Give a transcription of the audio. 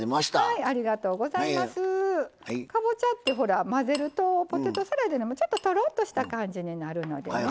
かぼちゃって混ぜるとポテトサラダよりもちょっととろっとした感じになりますので。